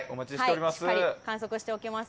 しっかり観測しておきます。